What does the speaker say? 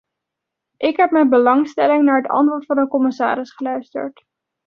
Ik heb met belangstelling naar het antwoord van de commissaris geluisterd.